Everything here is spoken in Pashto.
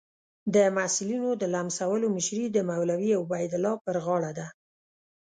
د محصلینو د لمسولو مشري د مولوي عبیدالله پر غاړه ده.